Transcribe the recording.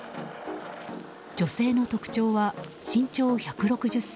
女性の特徴は、身長１６０ｃｍ。